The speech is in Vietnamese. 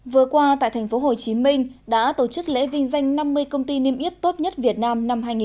vừa qua tại tp hcm đã tổ chức lễ vinh danh năm mươi công ty niêm yết tốt nhất việt nam